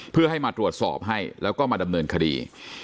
เพื่อให้มาตรวจสอบให้แล้วก็มาดำเนินคดี